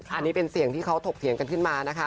อันนี้เป็นเสียงที่เขาถกเถียงกันขึ้นมานะคะ